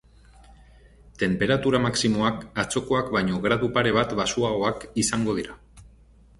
Tenperatura maximoak atzokoak baino gradu pare bat baxuagoak izango dira.